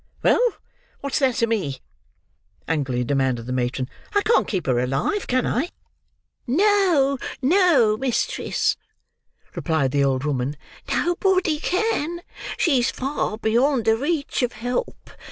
"Well, what's that to me?" angrily demanded the matron. "I can't keep her alive, can I?" "No, no, mistress," replied the old woman, "nobody can; she's far beyond the reach of help.